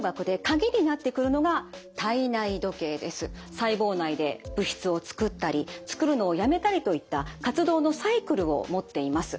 細胞内で物質を作ったり作るのをやめたりといった活動のサイクルを持っています。